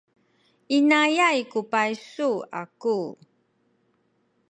inayay ku paysu aku.